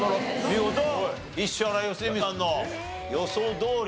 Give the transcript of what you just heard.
見事石原良純さんの予想どおり。